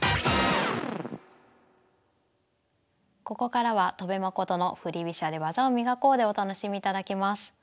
ここからは「戸辺誠の振り飛車で技を磨こう！」でお楽しみいただきます。